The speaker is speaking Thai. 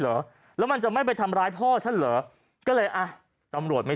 เหรอแล้วมันจะไม่ไปทำร้ายพ่อฉันเหรอก็เลยอ่ะตำรวจไม่